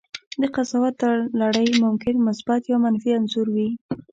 د قضاوت دا لړۍ ممکن مثبت یا منفي انځور وي.